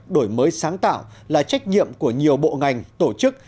đổi mới sáng tạo là trách nhiệm của nhiều bộ ngành tổ chức